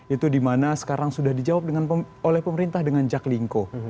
itu dimana sekarang sudah dijawab oleh pemerintah dengan jaklingko